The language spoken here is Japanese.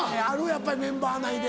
やっぱりメンバー内で。